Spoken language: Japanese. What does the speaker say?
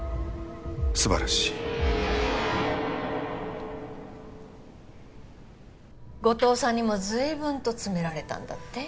素晴らしい後藤さんにも随分と詰められたんだって？